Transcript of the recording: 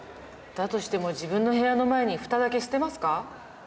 だとしても自分の部屋の前に蓋だけ捨てますか？